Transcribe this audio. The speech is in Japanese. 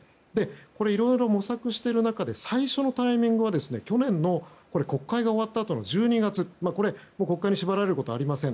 いろいろ模索している中で最初のタイミングは去年の国会が終わったあとの１２月、これ国会に縛られることはありません。